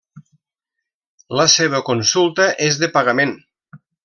La seva consulta és de pagament.